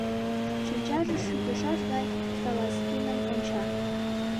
Шинчаже шӱтышаш гай Салазкиным онча.